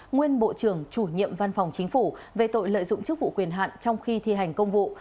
nguyên bộ trưởng chủ nhiệm văn phòng chính phủ về tội lợi dụng chức vụ quyền hạn trong khi thi hành công vụ